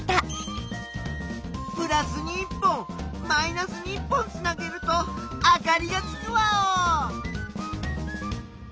プラスに１本マイナスに１本つなげるとあかりがつくワオ！